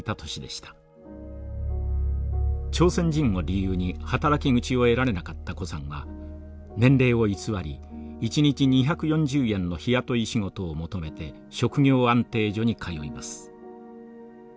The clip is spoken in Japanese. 朝鮮人を理由に働き口を得られなかった高さんは年齢を偽り一日２４０円の日雇い仕事を求めて職業安定所に通います。